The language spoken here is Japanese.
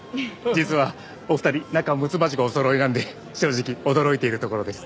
実はお二人仲むつまじくおそろいなんで正直驚いているところです。